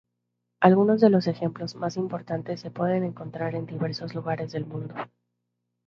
Algunos de los ejemplos más importantes se pueden encontrar en diversos lugares del mundo.